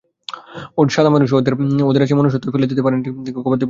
ওরা সাদা মানুষ, ওদের আছে মনুষত্বতাই ফেলে যেতে পারেনিঅতি আদরের পালিত গবাদী পশুগুলিকেও।